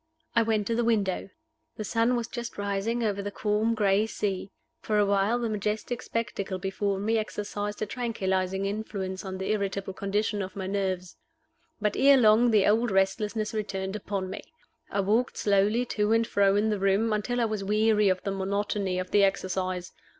I went to the window. The sun was just rising over the calm gray sea. For a while the majestic spectacle before me exercised a tranquilizing influence on the irritable condition of my nerves. But ere long the old restlessness returned upon me. I walked slowly to and fro in the room, until I was weary of the monotony of the exercise.